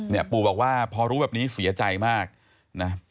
ปู่บอกว่าพอรู้แบบนี้เสียใจมากนะ